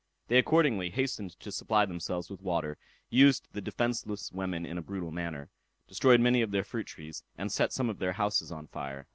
They accordingly hastened to supply themselves with water, used the defenceless women in a brutal manner, destroyed many of their fruit trees, and set some of their houses on fire.